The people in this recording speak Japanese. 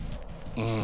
うん。